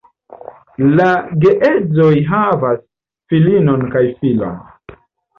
La geedzoj havas filinon kaj filon.